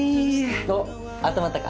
おっ温まったか？